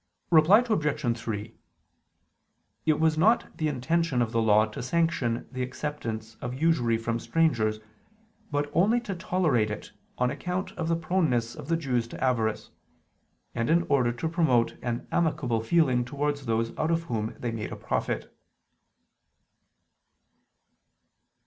Reply Obj. 3: It was not the intention of the Law to sanction the acceptance of usury from strangers, but only to tolerate it on account of the proneness of the Jews to avarice; and in order to promote an amicable feeling towards those out of whom they made a profit.